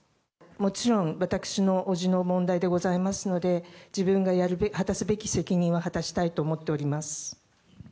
もちろん私のおじの問題でございますので、自分が果たすべき責任は果たしたいと思っております。